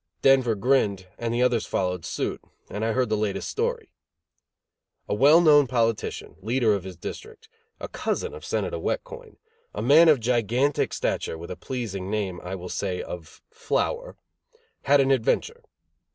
Denver grinned, and the others followed suit, and I heard the latest story. A well known politician, leader of his district, a cousin of Senator Wet Coin; a man of gigantic stature, with the pleasing name, I will say, of Flower, had had an adventure.